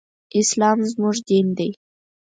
اسلام زموږ دين دی